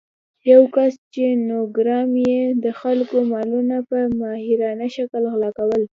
یو کس چې نورګرام کې يې د خلکو مالونه په ماهرانه شکل غلا کول